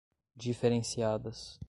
diferenciadas